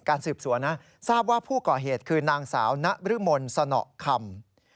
การสืบสวนนะทราบว่าผู้ก่อเหตุคือนางสาวนรมนสนคำ